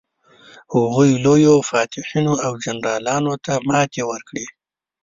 هغوی لویو فاتحینو او جنرالانو ته ماتې ورکړې.